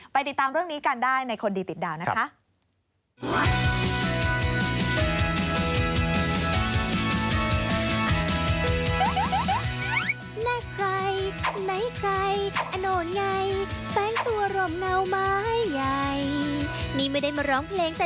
ติดตามเรื่องนี้กันได้ในคนดีติดดาวนะคะ